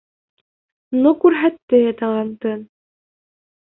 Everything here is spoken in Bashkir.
Ну күрһәтте талантын!